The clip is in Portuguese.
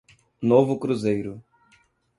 Novo Cruzeiro